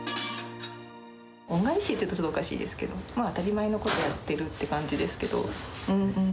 恩返しっていうとおかしいですけど、当たり前のことをやってるって感じですけど。